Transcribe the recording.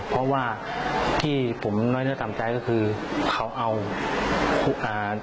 เพราะว่าที่ผมน้อยเนื้อต่ำใจก็คือเขาเอาอ่า